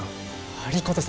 有功様！